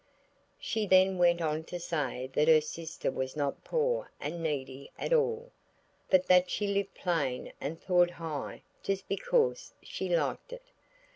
She then went on to say that her sister was not poor and needy at all, but that she lived plain and thought high just because she liked it!